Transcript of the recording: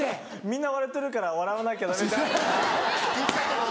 みんな笑ってるから笑わなきゃダメ。